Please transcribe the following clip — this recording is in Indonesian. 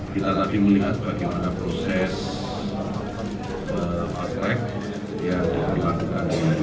kita tadi melihat bagaimana proses fast track